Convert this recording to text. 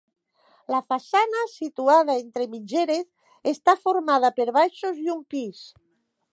La façana, situada entre mitgeres, està formada per baixos i un pis.